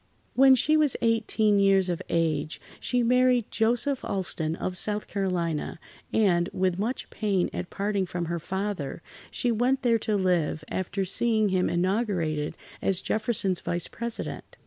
When she was eighteen years of age, she married Joseph Alston of South Carolina, and, with much pain at parting from her father, she went there to live, after seeing him inaugurated as Jefferson's Vice President.